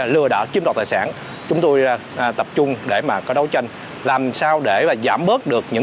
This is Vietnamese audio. lừa đảo chiếm đoạt tài sản chúng tôi tập trung để mà có đấu tranh làm sao để giảm bớt được những